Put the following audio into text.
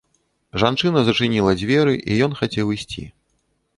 Жанчына зачыніла дзверы, і ён хацеў ісці.